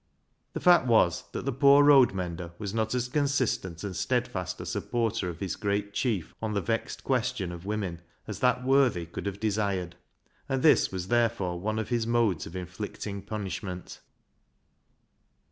The fact was that the poor road mender was not as consistent and steadfast a supporter of his great chief on the vexed question of women as that worthy could have desired, and this was therefore one of his modes of inflicting punish ment.